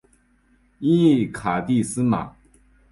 音译卡蒂斯玛。